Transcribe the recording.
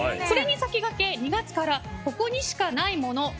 それに先駆け、２月からここにしかないもの